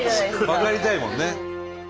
分かりたいもんね。